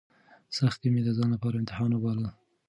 سختۍ مې د ځان لپاره امتحان وباله.